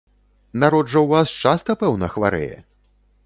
Народ жа ў вас часта, пэўна, хварэе?